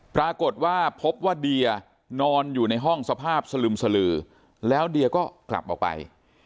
ปรากฏว่าพบว่าเดียนอนอยู่ในห้องสภาพสลึมสลือแล้วเดียก็กลับออกไป